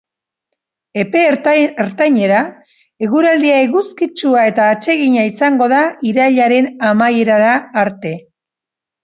Epe ertainera, eguraldia eguzkitsua eta atsegina izango da irailaren amaierara arte.